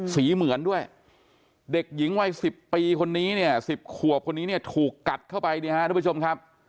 เหมือนด้วยเด็กหญิงวัย๑๐ปีคนนี้เนี่ย๑๐ขวบคนนี้เนี่ยถูกกัดเข้าไปเนี่ยฮะทุกผู้ชมครับ